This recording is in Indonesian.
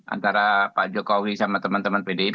antara pak jokowi sama teman teman pdip